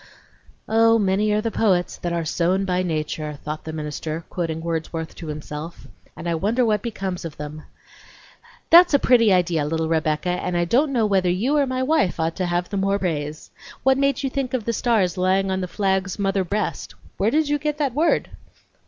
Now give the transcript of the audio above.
"'Oh! many are the poets that are sown by nature,'" thought the minister, quoting Wordsworth to himself. "And I wonder what becomes of them! That's a pretty idea, little Rebecca, and I don't know whether you or my wife ought to have the more praise. What made you think of the stars lying on the flag's mother breast'? Where did you get that word?"